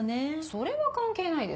それは関係ないですよ。